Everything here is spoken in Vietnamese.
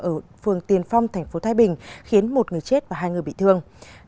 ở phường tiền phong tp thái bình khiến một người chết và hai người bị thương